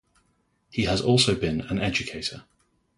He also has been an educator.